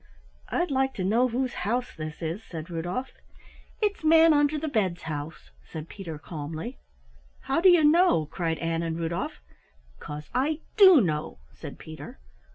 "I'd like to know whose house this is," said Rudolf. "It's Manunderthebed's house," said Peter calmly. "How do you know?" cried Ann and Rudolf. "'Cause I do know," said Peter.